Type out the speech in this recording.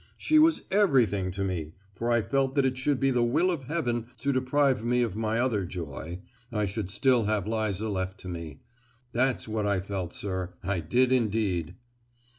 She was everything to me, for I felt that if it should be the will of Heaven to deprive me of my other joy, I should still have Liza left to me; that's what I felt, sir, I did indeed!"